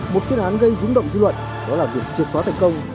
một chuyến án gây dũng động dư luận đó là việc triệt xóa thành công